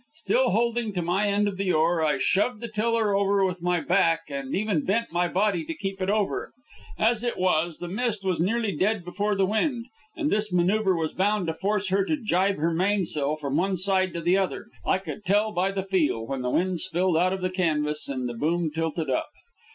Still holding to my end of the oar, I shoved the tiller over with my back, and even bent my body to keep it over. As it was the Mist was nearly dead before the wind, and this maneuver was bound to force her to jibe her mainsail from one side to the other. I could tell by the "feel" when the wind spilled out of the canvas and the boom tilted up.